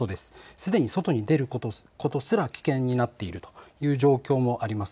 すでに外に出ることすら危険になっているという状況もあります。